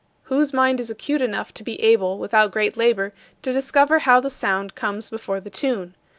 Whose mind is acute enough to be able, without great labor, to discover how the sound comes before the tune?